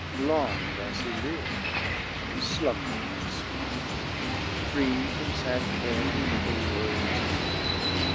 9 Long thus he liv'd, flumbring in fweete delight. Free from fad care and fickle worlds annoy.